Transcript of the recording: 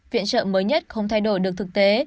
viện trợ mới nhất không thay đổi được thực tế